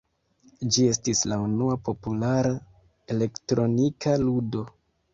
Ĝi estis la unua populara elektronika ludo.